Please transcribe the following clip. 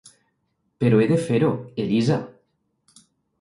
Però he de fer-ho, Elisa.